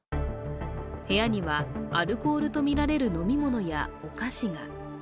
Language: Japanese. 部屋にはアルコールとみられる飲み物やお菓子が。